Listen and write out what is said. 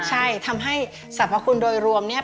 ใช่ทำให้สรรพคุณโดยรวมเนี่ย